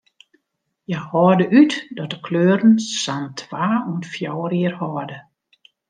Hja hâlde út dat de kleuren sa'n twa oant fjouwer jier hâlde.